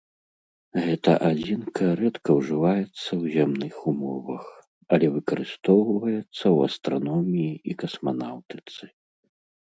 Гэта адзінка рэдка ўжываецца ў зямных умовах, але выкарыстоўваецца ў астраноміі і касманаўтыцы.